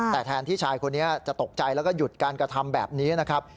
แต่แทนที่ชายคนนี้จะตกใจแล้วก็หยุดการกระทำแบบนี้นะครับ